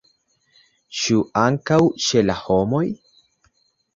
Ĉu ankaŭ ĉe la homoj?